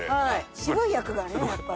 渋い役がねやっぱり。